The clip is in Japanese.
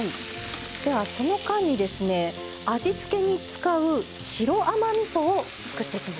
ではその間にですね味付けに使う白甘みそを作っていきましょう。